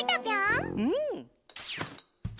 うん！